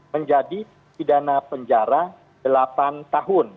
menjadi pidana penjara delapan tahun